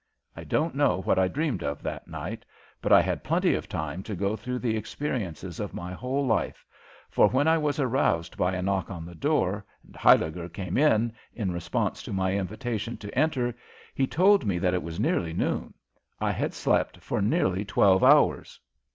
I don't know what I dreamed of that night, but I had plenty of time to go through the experiences of my whole life, for when I was aroused by a knock on the door, and Huyliger came in, in response to my invitation to enter, he told me that it was nearly noon. I had slept for nearly twelve hours.